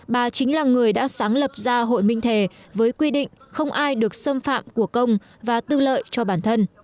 bà chính là người đã sáng lập ra hội minh thề với quy định không ai được xâm phạm của công và tư lợi cho bản thân